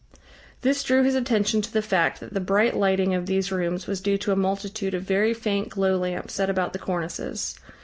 This drew his attention to the fact that the bright lighting of these rooms was due to a multitude of very faint glow lamps set about the cornices.